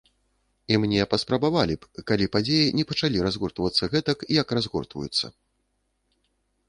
І мне паспрабавалі б, калі падзеі не пачалі разгортвацца гэтак, як разгортваюцца.